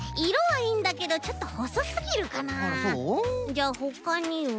じゃあほかには。